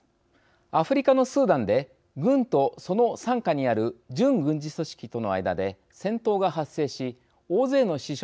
アフリカのスーダンで軍とその傘下にある準軍事組織との間で戦闘が発生し大勢の死傷者が出ています。